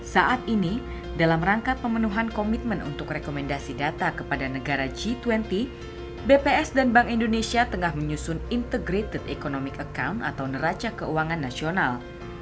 saat ini dalam rangka pemenuhan komitmen untuk rekomendasi data kepada negara g dua puluh bps dan bank indonesia tengah menyusun integrated economic account atau neraca keuangan nasional